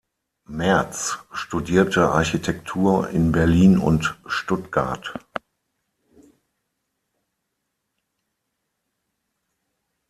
Merz studierte Architektur in Berlin und Stuttgart.